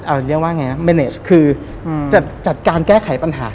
อะไรเรียกว่าไงนะจัดการแก้ไขปัญหา